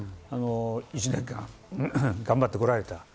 １年間、頑張ってこられた。